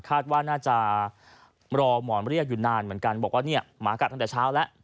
คาดว่าน่าจะรอหมอนเรียกอยู่นานเหมือนกันบอกว่าเนี่ยหมากัดตั้งแต่เช้าแล้ว